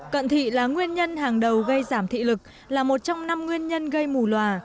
cận thị là nguyên nhân hàng đầu gây giảm thị lực là một trong năm nguyên nhân gây mù loà